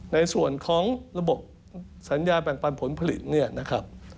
ในส่วนของระบบสัญญาแบบแบ่งปันผลผลิต